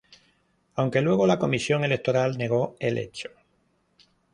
Aunque luego, la Comisión Electoral negó el hecho.